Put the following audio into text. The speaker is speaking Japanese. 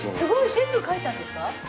シェフ描いたんですか？